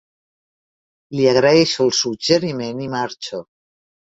Li agraeixo el suggeriment i marxo.